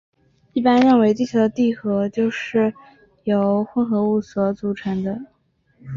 一般认为地球的地核就是由镍铁混合物所组成的。